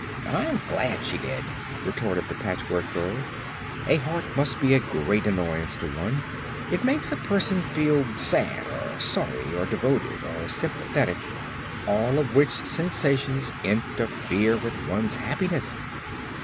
"I'm glad she did," retorted the Patchwork Girl. "A heart must be a great annoyance to one. It makes a person feel sad or sorry or devoted or sympathetic all of which sensations interfere with one's happiness."